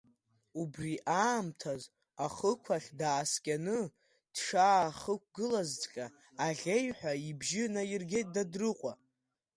Убри аамҭаз ахықәахь дааскьаны дшаахықәгылазҵәҟьа аӷьеҩҳәа ибжьы наиргеит Дадрыҟәа.